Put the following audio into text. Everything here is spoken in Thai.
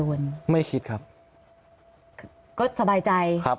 พี่พร้อมทิพย์คิดว่าคุณพิชิตคิดว่าคุณพิชิตคิด